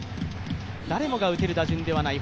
誰もが打てる打順ではない。